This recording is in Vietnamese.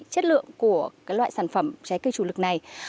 chất lượng của loại sản phẩm trái cây chủ lực này